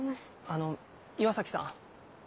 あの岩崎さん。